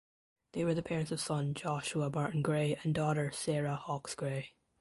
They were the parents of son Joshua Barton Gray and daughter Sarah Hawkes Gray.